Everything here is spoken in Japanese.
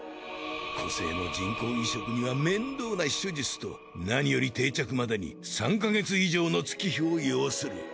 個性の人工移植には面倒な手術と何より定着までに３か月以上の月日を要する！